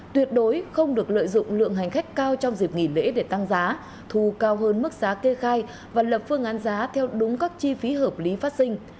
tuyệt đối không được lợi dụng lượng hành khách cao trong dịp nghỉ lễ để tăng giá thu cao hơn mức giá kê khai và lập phương án giá theo đúng các chi phí hợp lý phát sinh